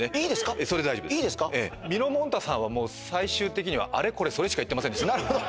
ええそれで大丈夫ですみのもんたさんはもう最終的にはあれこれそれしか言ってませんでしたなるほど！